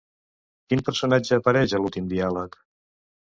Quin personatge apareix a l'últim diàleg?